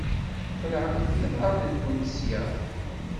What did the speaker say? Qelɛemt iḍaṛṛen-nkent sya!